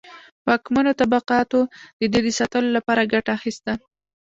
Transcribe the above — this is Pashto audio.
واکمنو طبقاتو د دې د ساتلو لپاره ګټه اخیسته.